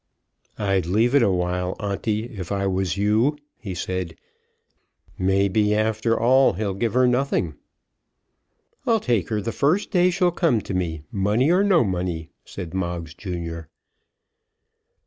"I'd leave it awhile, Onty, if I was you," he said. "May be, after all, he'll give her nothing." "I'll take her the first day she'll come to me, money or no money," said Moggs junior.